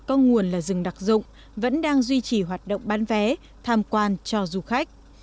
có nguồn là rừng đặc dụng vẫn đang duy trì hoạt động bán vé tham quan cho du khách